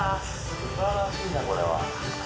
すばらしいなこれは。